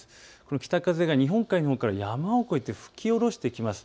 北風が日本海から山を越えて吹き降ろしてきます。